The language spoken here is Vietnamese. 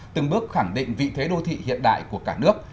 từng bước khẳng định vị thế đô thị hiện đại của cả nước